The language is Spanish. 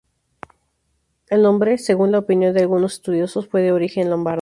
El nombre, según la opinión de algunos estudiosos, fue de origen lombardo.